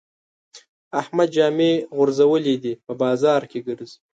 احمد جامې غورځولې دي؛ په بازار کې ګرځي.